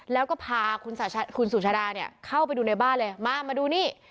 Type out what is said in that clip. แล้วก็พาคุณสุชาดาเนี่ยเข้าไปดูในบ้านเลยมามาดูนี่